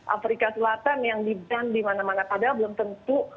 afrika selatan yang di ban di mana mana padahal belum tentu